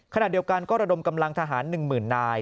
ขณะเดียวกันก็ระดมกำลังทหาร๑๐๐๐นาย